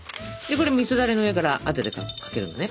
みそだれの上からあとでかけるのね。